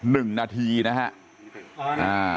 ๑นาทีนะครับ